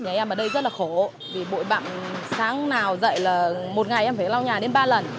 nhà em ở đây rất là khổ vì bội bặng sáng nào dậy là một ngày em phải lau nhà đến ba lần